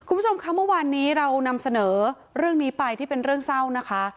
คุณผู้ชมคะเมื่อวานนี้เรานำเสนอเรื่องนี้ไปที่เป็นเรื่องเศร้านะคะ